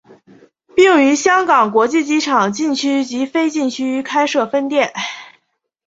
并于香港国际机场禁区及非禁区开设分店。